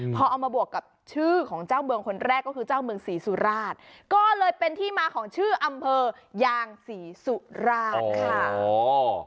พอเอามาบวกกับชื่อของเจ้าเมืองคนแรกก็คือเจ้าเมืองศรีสุราชก็เลยเป็นที่มาของชื่ออำเภอยางศรีสุราชค่ะ